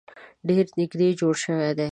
ډیر نیږدې جوړ شوي دي.